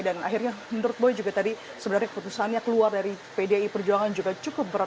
dan akhirnya menurut boy juga tadi sebenarnya keputusannya keluar dari pdi perjuangan juga cukup berat